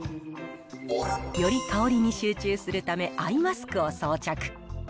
より香りに集中するため、アイマスクを装着。